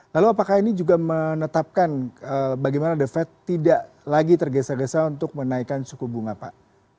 lalu apakah ini juga menetapkan bagaimana the fed tidak lagi tergesa gesa untuk menaikkan suku bunga pak